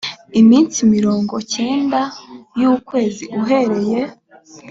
iminsi mirongo cyenda y ukwezi uhereye